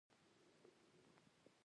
کرکټ د روغتیا له پاره هم ګټور دئ.